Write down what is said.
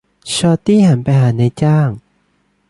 ชอร์ตี้หันไปหานายจ้าง